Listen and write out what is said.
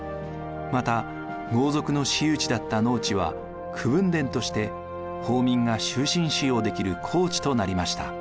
また豪族の私有地だった農地は口分田として公民が終身使用できる公地となりました。